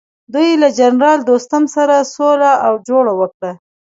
دوی له جنرال دوستم سره سوله او جوړه وکړه.